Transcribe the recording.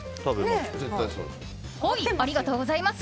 ありがとうございます。